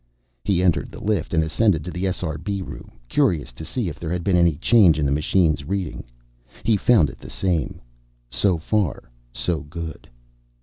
He entered the lift and ascended to the SRB room, curious to see if there had been any change in the machines' reading. He found it the same. So far so good.